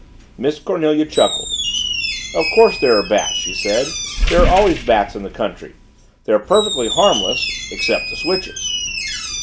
Miss Cornelia chuckled. "Of course there are bats," she said. "There are always bats in the country. They're perfectly harmless, except to switches."